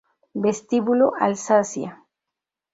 Vestíbulo Alsacia